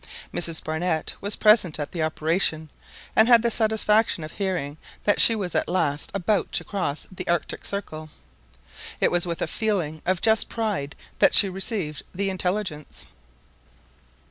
Mrs Barnett was present at the operation, and had the satisfaction of hearing that she was at last about to cross the Arctic Circle. It was with a feeling of just pride that she received the intelligence.